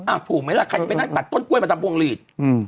ถูกไหมล่ะใครจะไปนั่งตัดต้นกล้วยมาทำพวงหลีด